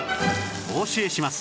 お教えします